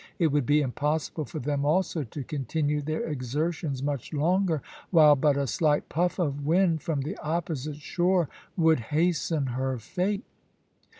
It would be impossible for them also to continue their exertions much longer, while but a slight puff of wind from the opposite shore would hasten her fate.